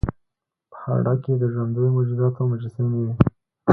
په هډه کې د ژوندیو موجوداتو مجسمې وې